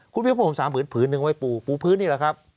คุณพี่พูดพระห่มสามผืนผืนนึงไว้ปูปูพืนนี่แหละครับ